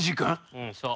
うんそう。